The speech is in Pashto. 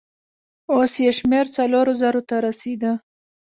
اوس يې شمېر څلورو زرو ته رسېده.